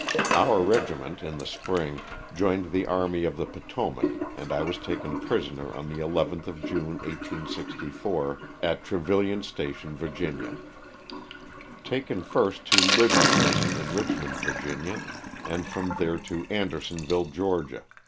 Our regiment, in the spring, joined the army of the Potomac and I was taken prisoner on the 11th of June, 1864, at Trevillian Station, Va. Taken first to Libby Prison in Richmond, Va., and from there to Andersonville, Ga.